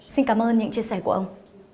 xin cảm ơn những chia sẻ của ông